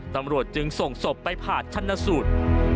ตำรวจจึงส่งศพไปผ่าชนสูตร